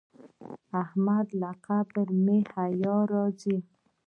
احمد له قبره مې حیا راځي.